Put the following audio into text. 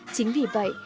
chính vì vậy